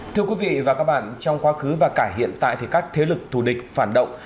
thưa quý vị và các bạn trong quá khứ và cả hiện tại thì các thế lực thù địch phản động